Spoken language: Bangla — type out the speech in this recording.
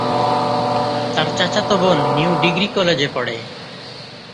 তার চাচাতো বোন নিউ ডিগ্রি কলেজে পড়ে।